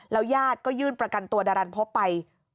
ยาดก็ยื่นประกันตัวดารันพบไป